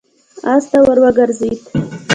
آس ته ور وګرځېد.